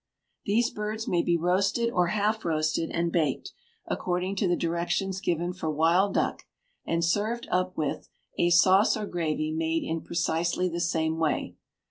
These birds may be roasted or half roasted and baked, according to the directions given for wild duck, and served up with, a sauce or gravy made in precisely the same way.